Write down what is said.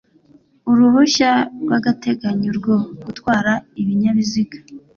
uruhushya rw'agateganyo rwo gutwara ibinyabiziga